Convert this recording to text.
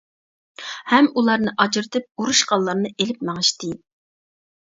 ھەم ئۇلارنى ئاجرىتىپ ئۇرۇشقانلارنى ئېلىپ مېڭىشتى.